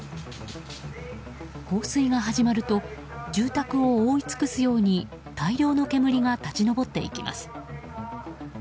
放水が始まると住宅を覆い尽くすように大量の煙が立ち上っていきます。